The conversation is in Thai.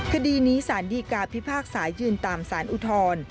คดีนี้สารดีกาพิพากษายืนตามสารอุทธร